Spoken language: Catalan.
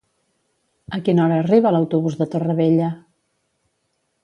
A quina hora arriba l'autobús de Torrevella?